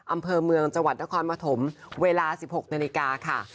อำเภอเมืองจังหวัดนครปฐมเวลา๑๖นาฬิกาค่ะ